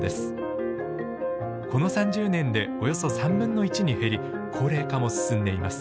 この３０年でおよそ３分の１に減り高齢化も進んでいます。